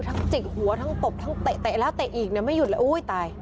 จิกหัวทั้งตบทั้งเตะแล้วเตะอีกเนี่ยไม่หยุดเลยอุ้ยตาย